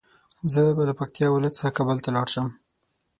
زه به له پکتيا ولايت څخه کابل ته لاړ شم